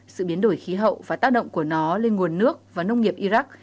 sự biến đổi khí hậu và tác động của nó lên nguồn nước và nông nghiệp iraq